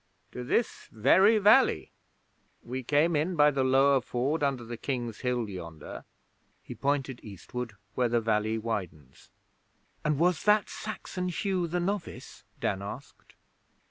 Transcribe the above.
'To this very valley. We came in by the Lower Ford under the King's Hill yonder' he pointed eastward where the valley widens. 'And was that Saxon Hugh the novice?' Dan asked.